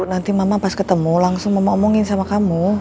nanti mama pas ketemu langsung mama omongin sama kamu